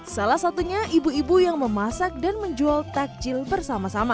salah satunya ibu ibu yang memasak dan menjual takjil bersama sama